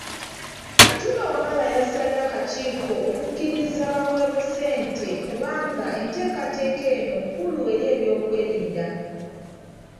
Katumba Wamala yasabye akakiiko okukkiriza babawe ssente kubanga enteekateeka eno nkulu eri eby'okwerinda